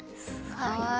はい。